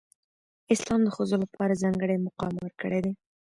اسلام د ښځو لپاره ځانګړی مقام ورکړی دی.